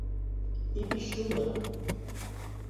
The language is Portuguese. Ipixuna